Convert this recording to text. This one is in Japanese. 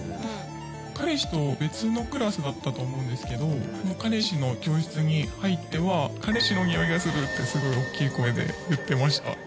「彼氏と別のクラスだったと思うんですけど彼氏の教室に入っては“彼氏のにおいがする”ってすごいおっきい声で言ってました」